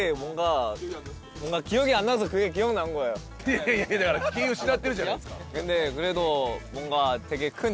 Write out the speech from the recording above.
いやいやだから気ぃ失ってるじゃないですか。